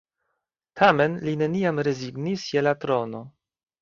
Tamen li neniam rezignis je la trono.